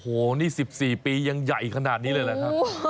โอ้โหนี่๑๔ปียังใหญ่ขนาดนี้เลยเหรอครับ